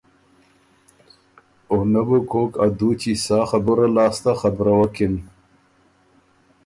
او نۀ بو کوک ا دُوچي سا خبُره لاسته خبروکِن